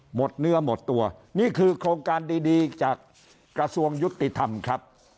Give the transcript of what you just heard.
หมดเนื้อหมดตัวนี่คือโครงการดีจากกระทรวงยุติธรรมครับ